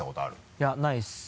いやないです。